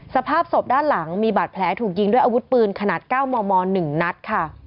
สภาพศพด้านหลังมีบัตรแผลถูกยิงด้วยอาวุธปืนขนาดเก้าหมอมอหนึ่งนัดค่ะ